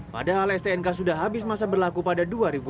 padahal stnk sudah habis masa berlaku pada dua ribu dua puluh